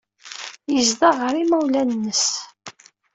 Yezdeɣ ɣer yimawlan-nnes.